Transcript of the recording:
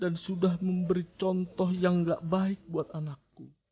dan sudah memberi contoh yang gak baik buat anakku